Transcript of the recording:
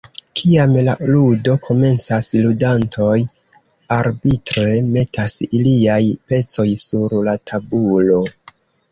Kiam la ludo komencas, ludantoj arbitre metas iliaj pecoj sur la tabulo.